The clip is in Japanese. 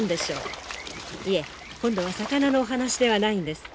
いえ今度は魚のお話ではないんです。